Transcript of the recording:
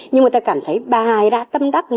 nhưng người ta cảm thấy bà hải đã tâm đắc